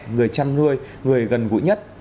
người chăm nuôi người gần gũi nhất